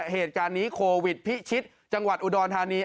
เหตุการณ์นี้โควิดพิชิตจังหวัดอุดรธานี